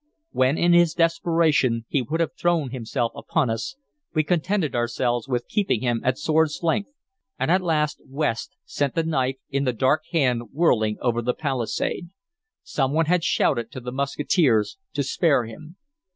When in his desperation he would have thrown himself upon us, we contented ourselves with keeping him at sword's length, and at last West sent the knife in the dark hand whirling over the palisade. Some one had shouted to the musketeers to spare him.